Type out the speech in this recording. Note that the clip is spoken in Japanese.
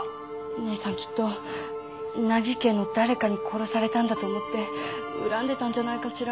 姉さんきっと名木家の誰かに殺されたんだと思って恨んでたんじゃないかしら。